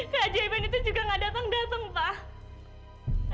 keajaiban itu juga gak datang datang pak